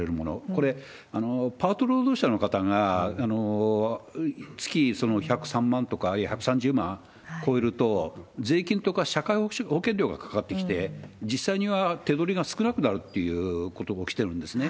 これ、パート労働者の方が月１０３万とか、あるいは１３０万超えると、税金とか社会保険料がかかってきて、実際には手取りが少なくなるということも起きてるんですね。